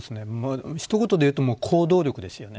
一言で言うと行動力ですよね。